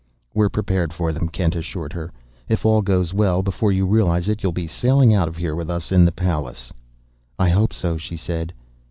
"We're prepared for them," Kent assured her. "If all goes well, before you realize it, you'll be sailing out of here with us in the Pallas." "I hope so," she said.